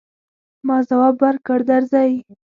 ما ځواب ورکړ، درځئ.